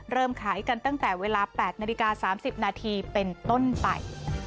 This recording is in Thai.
เริ่มขายกันตั้งแต่เวลา๘นาฬิกา๓๐นาทีเป็นต้นไป